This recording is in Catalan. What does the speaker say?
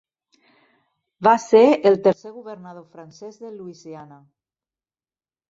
Va ser el tercer governador francès de Louisiana.